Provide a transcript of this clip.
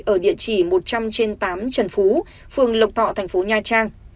ở địa chỉ một trăm linh trên tám trần phú phường lộc thọ thành phố nha trang